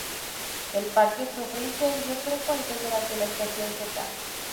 El parque sufre incendios frecuentes durante la estación seca.